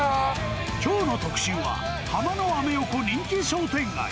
きょうの特集は、ハマのアメ横人気商店街。